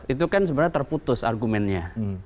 itu kan sebenarnya terputus argumennya